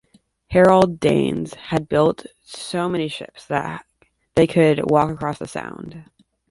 Harald's Danes had built so many ships that they could walk across The Sound.